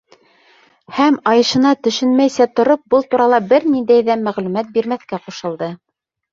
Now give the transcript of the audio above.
Һәм айышына төшөнмәйсә тороп, был турала бер ниндәй ҙә мәғлүмәт бирмәҫкә ҡушылды.